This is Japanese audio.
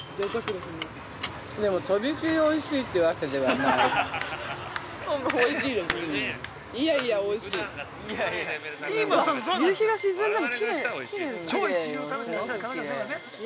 でも、とびきりおいしいというわけではない。